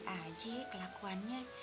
ya aja kelakuannya